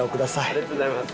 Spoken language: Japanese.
ありがとうございます。